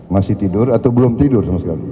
masih tidur atau belum tidur